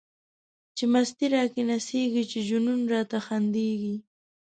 چی مستی را کی نڅيږی، چی جنون را ته خنديږی